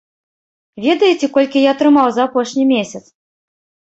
Ведаеце, колькі я атрымаў за апошні месяц?